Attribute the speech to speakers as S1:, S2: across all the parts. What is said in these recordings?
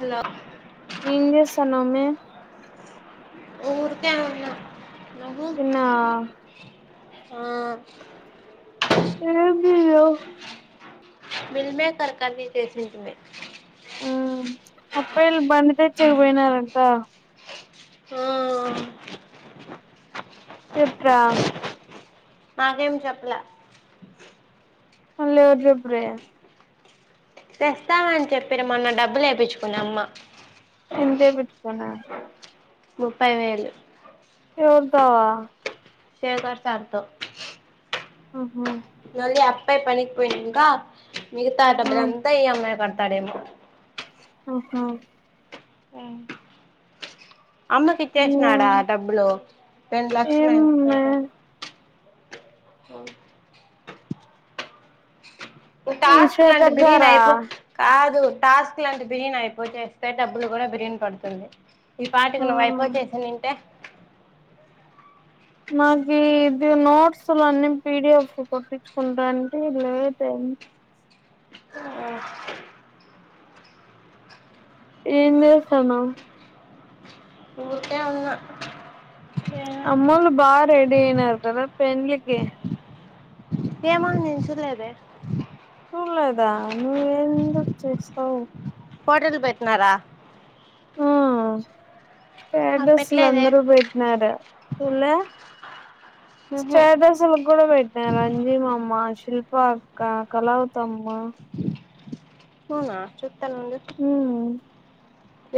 S1: Hello
S2: ఏంజెస్తన్నావ్ మే
S1: ఊరికే వున్న
S2: తిన్నావా
S1: ఆ
S2: నేను ఏం చేయా
S1: మిల్ మేకర్ కర్రి చేసింటిమి
S2: అప్పేల్ పండు తెచ్చికి పోయినా రండి ఆ
S1: ఆ
S2: చెప్పా
S1: నాకేం చెప్పలా
S2: మళ్ళీ యూరుచేప్రి
S1: తెస్తామని చెప్పిరి మొన్న డబ్బులు వేపించుకుంది అమ్మా
S2: ఎంతేపిచ్చుకున్నారు
S1: ముప్పై వేలు
S2: ఎవరితో వా
S1: శేఖర్ సార్ తో
S2: ఆహా
S1: లల్లి డే పనికి పోయింది ఇంకా మిగతా
S2: ఆ
S1: డబ్బులంతా ఇ ఎం ఐ కడ్ తదేమో
S2: హ్మ్మ్
S1: హ్మ్మ్ అమ్మకి
S2: ఏం
S1: ఇచ్చేసినాడా డబ్బులు రెండు లక్షలు ఎంతో
S2: ఏమ్మే
S1: అవును ఈ టాస్క్ లంటే
S2: శేఖర్
S1: బిర్రూన
S2: సారా
S1: అయిపో కాద్ టు టాస్క్ లన్ని బిర్రూన అయిపోతేస్తే డబ్బులు కూడా బిర్రూన పడుతుంది ఈ పాటికి
S2: ఆ
S1: నువ్వువైపో చేసినుంటే
S2: నాకు ఇది నోర్సులాన్ని పీ డి ఎఫ్ కొట్టించుకుంటా అంటే లేట్ అయ్యింది ఏంజెస్తనావ్
S1: అవును
S2: అమ్మోలు బాగా రెడి అయినారు కదా పెండ్లికి
S1: ఏమో నేను చూలేదే
S2: చూలేదా నువ్వ ఎందుకు చూస్తావు
S1: హోటల్ పెట్టినారా
S2: ఆ
S1: నాకు
S2: పెడ్రస్లు
S1: పెట్టలేదే
S2: అందరు పెట్టినారు చుడ్లే
S1: ఉహు
S2: స్టాసులు కూడా పెట్ట రంజీ మా అమ్మ శిల్ప అక్క కళవుతమ్మ
S1: అవునా తెల్వన్ది
S2: ఉమ్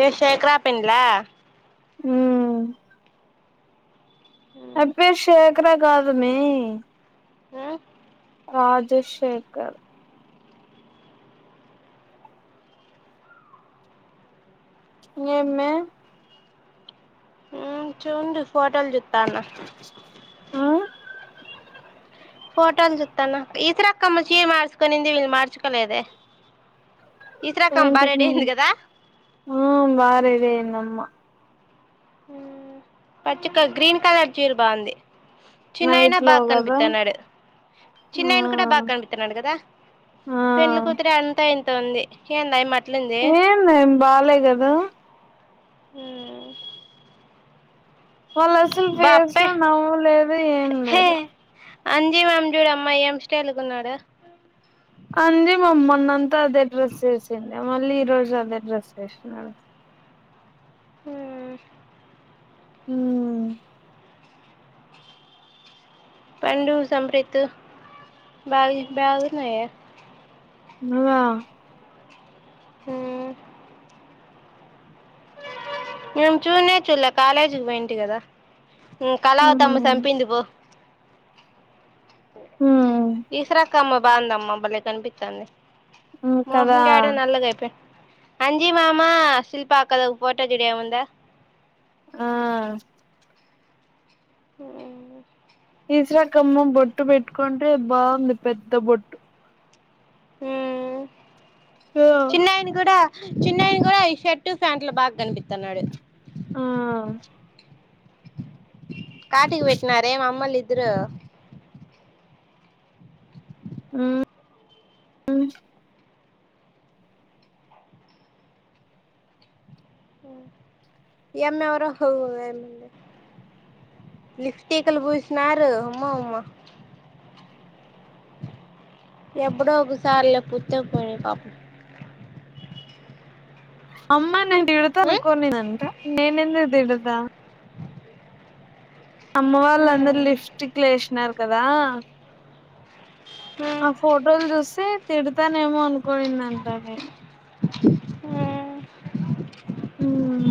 S1: ఏ శేకరా పెండ్ల
S2: హ్మ్మ్ అప్రిషియేట్ చకర కాదుమీ
S1: హ్మ్మ్
S2: రాజశేఖర్ ఏమె
S1: ఉం చుంజు హోటల్ జు తను
S2: ఆ
S1: ఫోటోలు జుత్తాన ఈసరకమ చీర మార్స్కోని దే ఇల్లు మార్చుకోలేద
S2: ఏ ఇంతకుముందు ఊమ్ బా రెడీ అయ్యే అమ్మ
S1: ఊమ్ పచ్చిక గ్రీన్ కలర్ ఛీర బాగుంది చిన్నయన
S2: నైట్ లో
S1: బాగా
S2: కదా
S1: కనిపిత్తన్నాడు
S2: ఆ
S1: చిన్నయన కూడా బాగా కనిపితున్నాడు కదా
S2: ఆ
S1: పెండ్లు కూతురి అంతా వుంది ఏంది అ అమ్మా
S2: ఏం నేం బాలే కదా
S1: ఊమ్
S2: వాళ్ళు అసలు ఫేస్
S1: బాప్పే
S2: లో నవ్వులేదు ఏం
S1: హే
S2: లేదు
S1: అంజీ మాం చూడు అమ్మాయి ఏం స్టయిల్గున్నాడా
S2: అంజి మామ మొన్నంతా అదే డ్రస్ చేసిండే మళ్ళీ ఈ రోజు అదే డ్రస్ చేసాడు
S1: ఊమ్
S2: ఊమ్
S1: పండు సంప్రీత్ బాగ బాగన్నాయి కదా
S2: ఉమ్ ఆ
S1: ఊమ్ మేము చూనే చుల కాలేజీకి పోయింటి కదా ఉమ్ కళవతమ్మ చపింది పో
S2: ఉమ్
S1: తీసర కామ్మ బాగుంద అమ్మా అబ్బలే కనిపించండి
S2: ఉమ్
S1: మోహం
S2: కదా
S1: గడ నల్గా ఇపో అంజి మామా శిల్ప అక్కది ఒకా పోటో చూడు ఎమ్ ఉంధో
S2: ఆ
S1: ఉహుమ్
S2: ఇస్రా కమ్మ బొట్టు పెట్కండ్రే బాగుంది పెద్ద బొట్టు
S1: హ్మ్మ్
S2: ఆ
S1: చిన్నాయని కూడా చిన్నాయని కూడా ఈ షర్ట్ ప్యాంట్లు బాగ్గనిపిత్తాన్నాడు.
S2: ఆ హమ్
S1: కాటికి పెట్టినారే మమ్మల్నిద్దరు
S2: ఉమ్ ఉ
S1: ఏమ్మెవర లిప్టేకలు పూసినారు అమ్మా ఉమ్మా ఎప్పుడో ఒకసార్ల కుత్తేకు పోయె పాపం
S2: అమ్మానే
S1: ఉమ్
S2: తిడుతననుకోనిదంట నేనెందుకు తిడుదున్ రా అమ్మ వాళ్ళందరూ లిప్ స్టిక్ లేసినారు. కదా
S1: ఉమ్
S2: ఆ ఫోటోలు జూస్సే తేడుద్ స్తానే ఏమో అనుకోనిందంటాక్ ఎహ్రేహ్
S1: ఆ
S2: హ్మ్మ్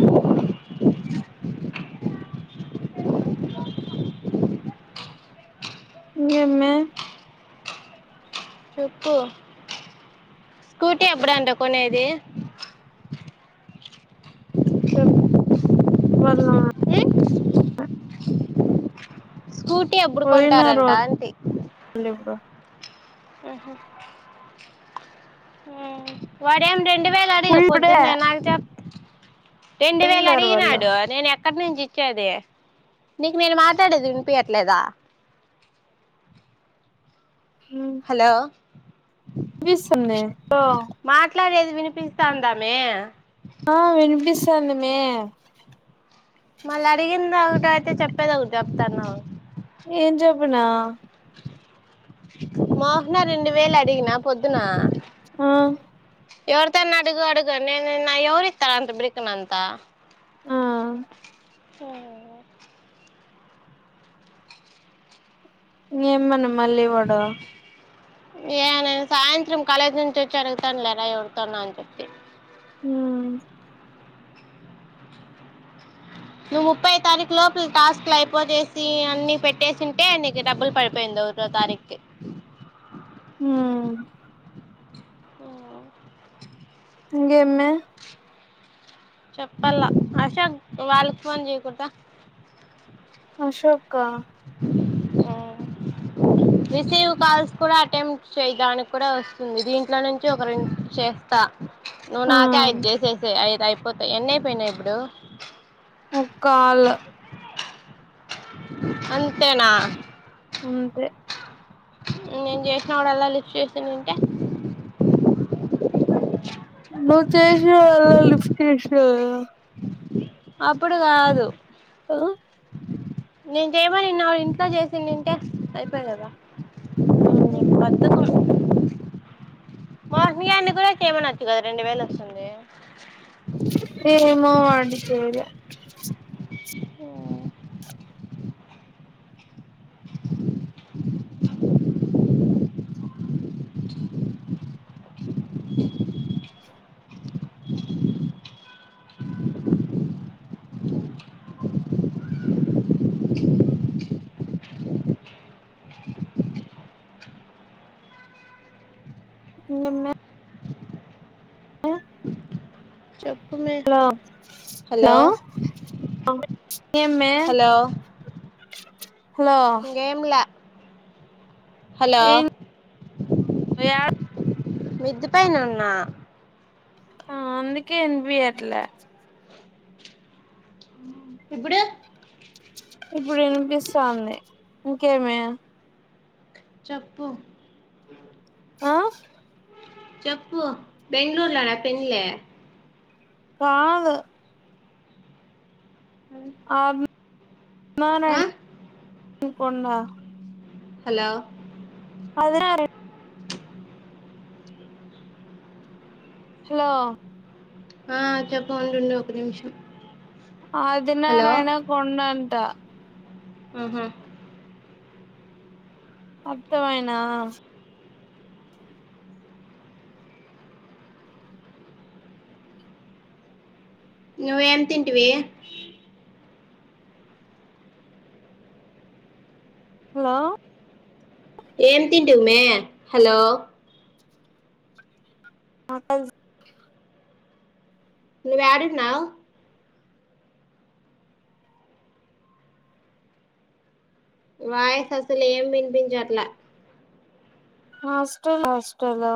S2: ఇంగేమ్యా
S1: స్కూటీ ఎబ్బుడంట కొనేదే
S2: ఏమ్ [unintelligible]
S1: ఉమ్ స్కూటీ ఎబ్బుడు
S2: పోయినారు
S1: కొంటారంట అంతీ
S2: వాళ్ళు ఇప్పుడు
S1: ఆహ ఆ వాడేం రెండు వేలు అడిగివ్
S2: ఇప్పుడే
S1: పొద్దున్నే నాకు చెప్ హ రెండు వేల్ల
S2: పోయిండారు వాళ్ళు
S1: అడిగినాడు నేను ఎక్. క్కడనుంచి ఇచ్చేది. నీకి నేను మాట్లాడేది విన్పియట్లేదా హలో
S2: విన్పీస్సోందే [unintelligible]
S1: ట్లాడేది వినిపిస్తాందామ్యేఆ
S2: ఆ వినిపిస్సోంది మే
S1: మళ్ళ అడిగిందా ఒకటి చెప్పేది ఒకటి చెప్తాన్నావ్
S2: ఏం జాబ్ అవునా
S1: మోహన రెండు వేలు అడిగిన పొద్దున
S2: ఆ
S1: ఎవరితోనా అడుగు అడుగు నేను నా ఎవరి ఇత్తరు అంత బ్రికినంత
S2: ఆ
S1: ఉమ్
S2: ఇంగ ఏమన్నా మళ్ళీవడ
S1: ఏ నేను సాయంత్రం కాలేజ్ నుంచి వచ్చి అడుగుతాను లేరా ఎవరితోన్నా అని చెప్పి
S2: ఉమ్
S1: నువ్వు ముప్పై తారీఖ్ లోపుల్ టాస్క్లు అయిపోజేసి అన్ని పెట్టేసింటే, నీకి డబ్బుల్ పడిపోయిందువ్, ఒకటో తారీఖ్కి
S2: హుమ్మ్
S1: ఓ
S2: ఇంగేమ్యా
S1: చెప్పల్లా ఆశోగ్ వాళ్లుకి, ఫోన్ చేయకుడ్దా
S2: అశోఖ
S1: రిసీవ్ కాల్స్ కూడా అటెంప్ట్ చేయడానికి కూడా వస్తుంది దీంట్లో నుంచి ఒక రెండు చేస్తా నువ్వు
S2: ఆ
S1: నాకే ఐదు చేసేసై ఐ దు అయిపోతాయి ఎన్ని అయిపోయినాయి ఇప్పుడు
S2: ఒక్కాల్
S1: అంతేనా
S2: అంతే
S1: నేను చేసినాపుడల్లా లిఫ్ట్ చేసినింటే
S2: నువ్వు చేసి వాళ్ళ లిఫ్ ఫ్ట్ చేసిన కదా
S1: అప్పుడు కాదు
S2: ఆ
S1: నేను చేయమనిన్న ఇంట్లో చేసేన్నింటే అయిపోయె కదా నీకు
S2: ఉమ్
S1: బద్ధకం మోహిని గాని కూడా చేయమనచ్చు కదా రెండు వేలు వస్తుంది
S2: ఏ మో వాడు చేయాలే
S1: ఉమ్
S2: మే
S1: చెప్పు మే
S2: హలో హలో ఎమ్ మే
S1: హలో
S2: హలో
S1: ఇంకేం లా హలో
S2: ఏం యాడ
S1: మిద్దె పైన ఉన్నా
S2: ఆ అందుకే ఇనిపియట్లే
S1: ఇప్పుడు
S2: ఇప్పుడు ఇనిపిస్తాంది ఇంకేమి
S1: చప్పు
S2: ఆ
S1: చప్పు బెంగ్ళూర్లోనా పెళ్ళి
S2: కాదు ఆం నానా
S1: ఆ
S2: ఇకొండ
S1: హలో
S2: పదిర హలో
S1: ఆ చెప్పు ఉండుండు ఒక నిమిషం హలో
S2: అదినారాయణ కొండంటా
S1: అహా
S2: అత్తవైనా
S1: నువ్ ఏం తింటివి
S2: హలో
S1: ఏం తింటూమే హలో
S2: అక
S1: నువ్ యడన్నావ్ వాయస్ అసలు ఏం వినిపించట్లా
S2: హస్టల్ హాస్టల్